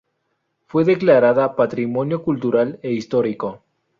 Fue declarada Patrimonio Cultural e Histórico.